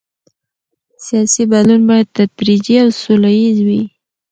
سیاسي بدلون باید تدریجي او سوله ییز وي